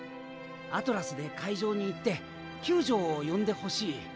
アトラスで海上に行って救助を呼んでほしい。